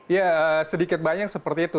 ya sedikit banyak seperti itu